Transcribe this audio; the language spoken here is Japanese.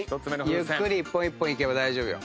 ゆっくり一本一本いけば大丈夫よ。